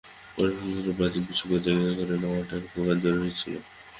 ফরাসি ফুটবলের জন্য ব্রাজিল বিশ্বকাপে জায়গা করে নেওয়াটা একপ্রকার জরুরিই ছিল।